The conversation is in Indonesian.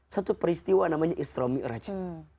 satu peristiwa namanya isrami raja